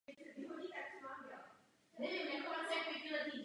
Pobřeží je převážně nízké.